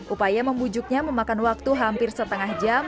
upaya membujuknya memakan waktu hampir setengah jam